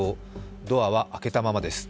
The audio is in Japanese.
ドアは開けたままです。